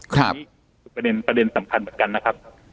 นี่เป็นประเด็นสำคัญเหมือนกัน